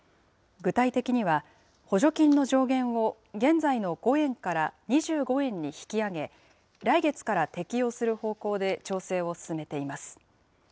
具体的には、補助金の上限を、現在の５円から２５円に引き上げ、来月から適用する方向で、調整を進めています。